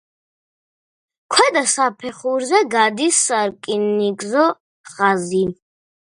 ქვედა საფეხურზე გადის სარკინიგზო ხაზი.